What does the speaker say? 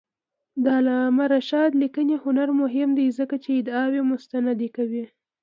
د علامه رشاد لیکنی هنر مهم دی ځکه چې ادعاوې مستندې کوي.